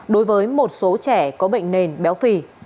đối với một số trẻ có bệnh nền béo phì